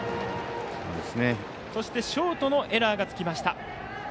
そしてショートのエラーがつきました。